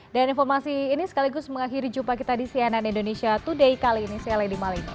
dan informasi ini sekaligus mengakhiri jumpa kita di cnn indonesia today kali ini saya lady malin